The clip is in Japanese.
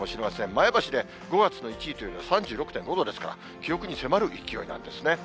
前橋で５月の１位というのは３６．５度ですから、記録に迫る勢いなんですね。